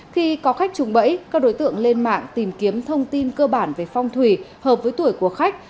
khi có khách trùng bẫy các đối tượng lên mạng tìm kiếm thông tin cơ bản về phong thủy hợp với tuổi của khách